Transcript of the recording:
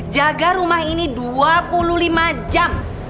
jaga rumah ini dua puluh lima jam